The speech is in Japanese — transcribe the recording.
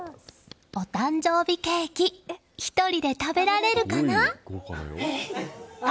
お誕生日ケーキ１人で食べられるかな？